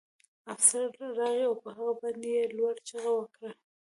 افسر راغی او په هغه باندې یې لوړه چیغه وکړه